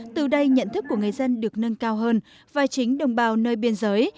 từ đây nhận thức của người dân được nâng cao hơn và chính đồng bào nơi biên giới